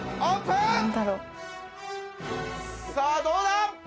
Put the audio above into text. さぁどうだ！？